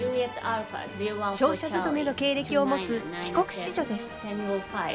商社勤めの経歴を持つ帰国子女です。